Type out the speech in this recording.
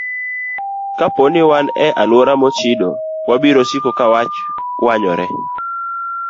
Kapo ni wan e alwora mochido, wabiro siko ka wach wanyore.